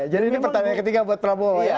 jadi ini pertandingan ketiga buat prabowo